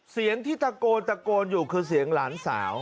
เสียงที่ตะโกนตะโกนอยู่คือเสียงหลานสาว